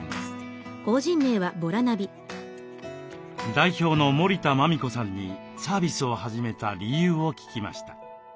代表の森田麻美子さんにサービスを始めた理由を聞きました。